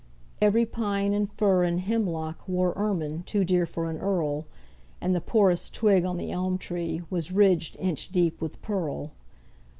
Every pine and fir and hemlock Wore ermine too dear for an earl, And the poorest twig on the elm tree Was ridged inch deep with pearl.